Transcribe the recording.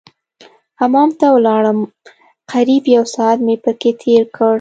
حمام ته ولاړم قريب يو ساعت مې پکښې تېر کړ.